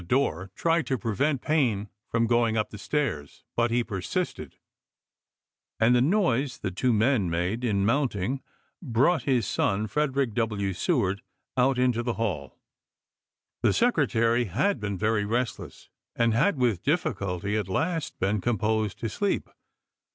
door tried to prevent Payne from going up the ApL ibises, stairs, but he persisted, and the noise the two men made in mounting brought his son Frederick W. Seward out into the hall. The Secretary had been very restless and had with difficulty at last been composed to sleep.